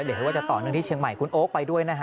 หรือว่าจะต่อเนื่องที่เชียงใหม่คุณโอ๊คไปด้วยนะฮะ